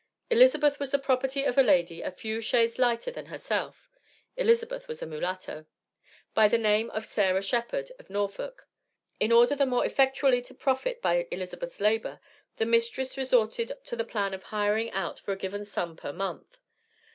Elizabeth was the property of a lady a few shades lighter than herself, (Elizabeth was a mulatto) by the name of Sarah Shephard, of Norfolk. In order the more effectually to profit by Elizabeth's labor, the mistress resorted to the plan of hiring her out for a given sum per month.